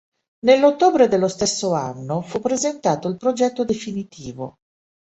Nell'ottobre dello stesso anno fu presentato il progetto definitivo.